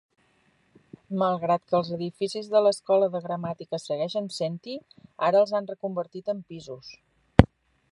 Malgrat que els edificis de l'escola de gramàtica segueixen sent-hi, ara els han reconvertit en pisos.